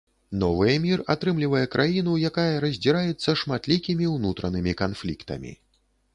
Новы эмір атрымлівае краіну, якая раздзіраецца шматлікімі ўнутранымі канфліктамі.